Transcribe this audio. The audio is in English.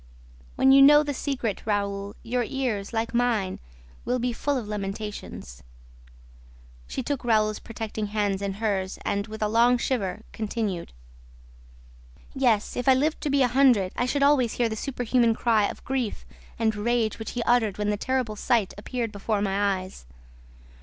"When you know the secret, Raoul, your ears, like mine, will be full of lamentations." She took Raoul's protecting hands in hers and, with a long shiver, continued: "Yes, if I lived to be a hundred, I should always hear the superhuman cry of grief and rage which he uttered when the terrible sight appeared before my eyes